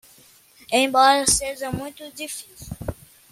Embora seja muito difícil